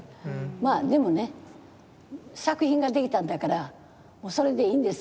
まあでもね作品が出来たんだからもうそれでいいんです